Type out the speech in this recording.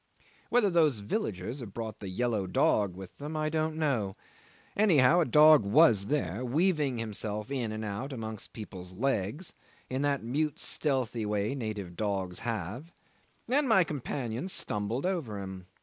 'Whether those villagers had brought the yellow dog with them, I don't know. Anyhow, a dog was there, weaving himself in and out amongst people's legs in that mute stealthy way native dogs have, and my companion stumbled over him.